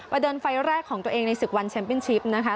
เดินไฟล์แรกของตัวเองในศึกวันแชมปินชิปนะคะ